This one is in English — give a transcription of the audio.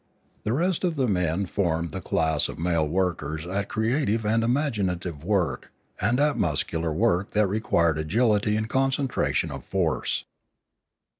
The rest of the men formed the class of male workers at creative and imaginative work, and at muscular work that required agility and concentration of force.